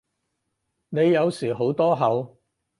你有時好多口